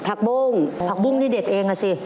พักบุ้งพักบุ้งก็ได้เองล่ะสิ